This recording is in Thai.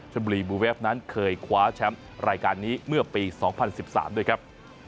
บุรีบูเวฟนั้นเคยคว้าแชมป์รายการนี้เมื่อปี๒๐๑๓ด้วยครับ